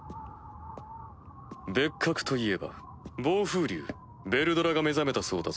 別格といえば暴風竜ヴェルドラが目覚めたそうだぞ。